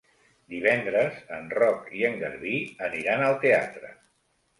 Divendres en Roc i en Garbí aniran al teatre.